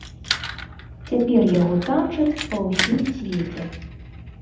Цяпер яго танчаць па ўсім свеце.